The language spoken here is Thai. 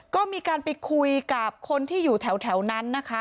ก็มีการไปคุยกับคนที่อยู่แถวนั้นนะคะ